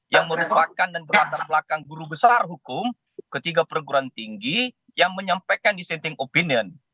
yang merupakan dan berlatar belakang guru besar hukum ketiga perguruan tinggi yang menyampaikan dissenting opinion